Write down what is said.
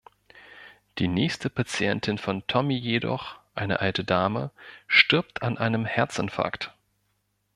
Die nächste Patientin von Tommy jedoch, eine alte Dame, stirbt an einem Herzinfarkt.